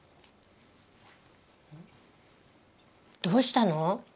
どうしたの？